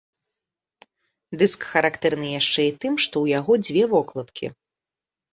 Дыск характэрны яшчэ і тым, што ў яго дзве вокладкі.